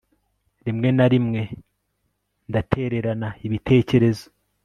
Rimwe na rimwe ndatererana ibitekerezo